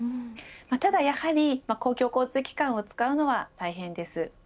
ただやはり、公共交通機関を使うのは大変です。